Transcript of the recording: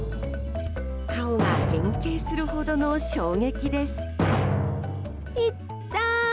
顔が変形するほどの衝撃です。